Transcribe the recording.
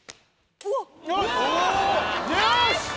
よし！